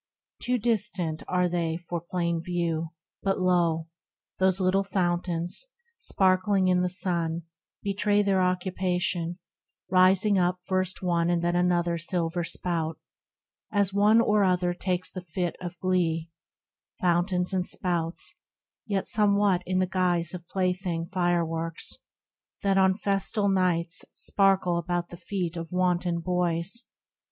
Too distant are they for plain view, but lo ! Those little fountains, sparkling in the sun, Betray their occupation, rising up First one and then another silver spout, As one or other takes the fit of glee, Fountains and spouts, yet somewhat in the guise Of plaything fireworks, that on festal nights Sparkle about the feet of wanton boys.